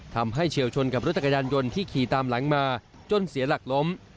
เฉียวชนกับรถจักรยานยนต์ที่ขี่ตามหลังมาจนเสียหลักล้ม